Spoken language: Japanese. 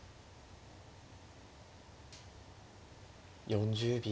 ４０秒。